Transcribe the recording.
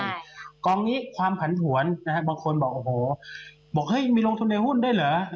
ตราสารนี้ความผันผวนบางคนบอกว่ามีลงทุนในหุ้นด้วยเหรอ